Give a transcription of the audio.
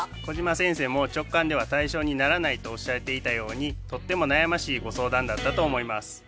小島先生も直感では対象にならないとおっしゃっていたようにとっても悩ましいご相談だったと思います。